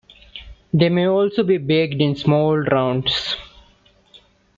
They may also be baked in small rounds.